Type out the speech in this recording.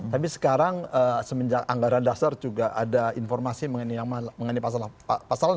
tapi sekarang semenjak anggaran dasar juga ada informasi mengenai pasal enam